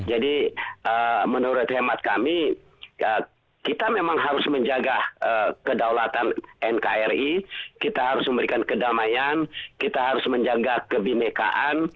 jadi menurut hemat kami kita memang harus menjaga kedaulatan nkri kita harus memberikan kedamaian kita harus menjaga kebimekaan